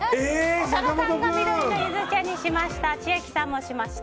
設楽さんは緑のユズ茶にしました。